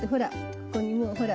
ここにもうほら。